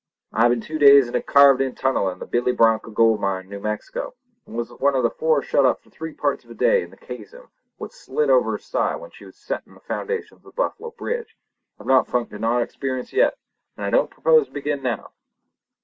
I've been two days in a caved in tunnel in the Billy Broncho gold mine in New Mexico, an' was one of the four shut up for three parts of a day in the caisson what slid over on her side when we was settin' the foundations of the Buffalo Bridge. I've not funked an odd experience yet, an' I don't propose to begin now!"